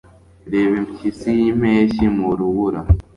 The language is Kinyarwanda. reba impyisi yimpeshyi mu rubura